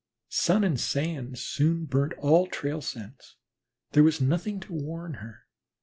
Sun and sand soon burn all trail scents; there was nothing to warn her.